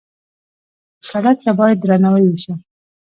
سړک ته باید درناوی وشي.